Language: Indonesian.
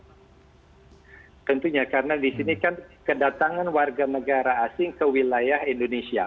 tentunya karena di sini kan kedatangan warga negara asing ke wilayah indonesia